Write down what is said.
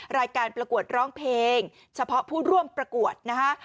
รายการประกวดร้องเพลงเฉพาะผู้ร่วมประกวดนะฮะ